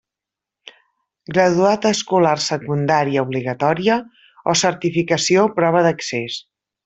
Graduat escolar secundària obligatòria o certificació prova d'accés.